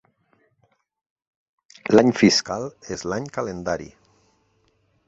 L'any fiscal és l'any calendari.